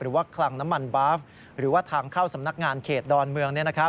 คลังน้ำมันบาฟหรือว่าทางเข้าสำนักงานเขตดอนเมือง